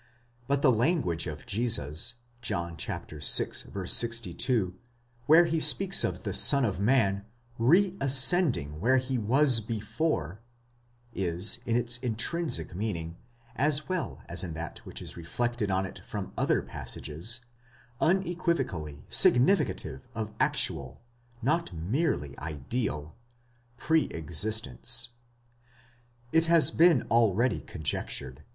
But the language of Jesus, John vi. 62, where he speaks of the Son of man reascending ἀναβαίνειν where he was before ὅπου ἦν τὸ πρότερον, is in its intrinsic meaning, as well as in that which is reflected on it from other passages, unequivocally significative of actual, not merely ideal, pre existence. It has been already conjectured?